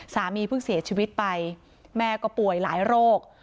สามีเพิ่งเสียชีวิตไปแม่ก็ป่วยหลายโรค